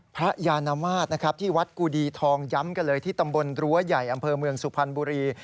พระยานมาตรนะครับที่วัดกูดีทองย้ำกันเลยที่ตำบลรั้วใหญ่อำเภอเมืองสุพรรณบุรี